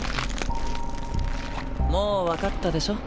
もう分かったでしょ？